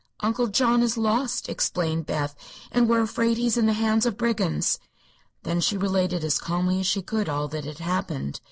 "Uncle John is lost," explained Beth, "and we're afraid he is in the hands of brigands." Then she related as calmly as she could all that had happened.